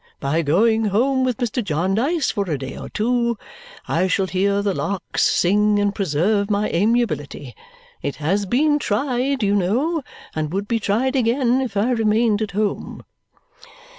By going home with Mr. Jarndyce for a day or two, I shall hear the larks sing and preserve my amiability. It has been tried, you know, and would be tried again if I remained at home."